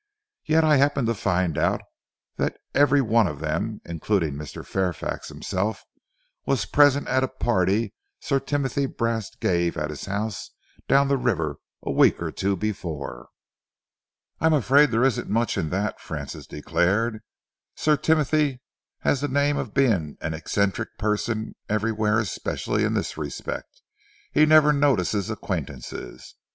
Yet I happened to find out that every one of them, including Mr. Fairfax himself, was present at a party Sir Timothy Brast gave at his house down the river a week or two before." "I'm afraid there isn't much in that," Francis declared. "Sir Timothy has the name of being an eccentric person everywhere, especially in this respect he never notices acquaintances.